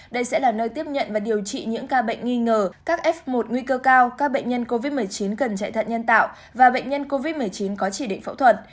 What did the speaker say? đây sẽ là nơi tiếp nhận và điều trị những ca bệnh nghi ngờ các f một nguy cơ cao các bệnh nhân covid một mươi chín cần chạy thận nhân tạo và bệnh nhân covid một mươi chín có chỉ định phẫu thuật